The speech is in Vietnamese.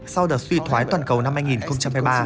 sau đợt suy thoái toàn cầu năm hai nghìn hai mươi ba